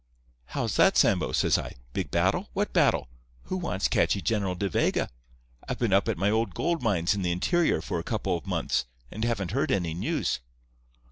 "'How's that, Sambo?' says I. 'Big battle? What battle? Who wants catchee General De Vega? I've been up at my old gold mines in the interior for a couple of months, and haven't heard any news.